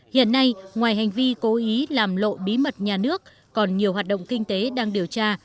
hiện nay ngoài hành vi cố ý làm lộ bí mật nhà nước còn nhiều hoạt động kinh tế đang điều tra